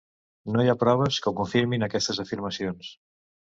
No hi ha proves que confirmin aquestes afirmacions.